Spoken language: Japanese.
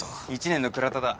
１年の倉田だ。